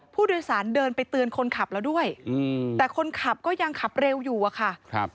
ผู้โดยสารเดินไปเตือนคนขับแล้วด้วยแต่คนขับก็ยังขับเร็วอยู่อะค่ะ